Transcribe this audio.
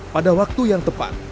pada waktu yang tepat